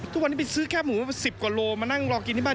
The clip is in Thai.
ทุกวันนี้ไปซื้อแค่หมู๑๐กว่าโลมานั่งรอกินที่บ้าน